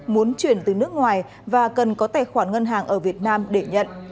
muốn chuyển từ nước ngoài và cần có tài khoản ngân hàng ở việt nam để nhận